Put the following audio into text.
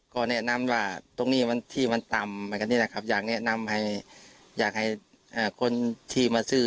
ก็แนะนำว่าตรงนี้มันที่มันต่ำเหมือนกันนี่แหละครับอยากแนะนำให้อยากให้คนที่มาซื้อ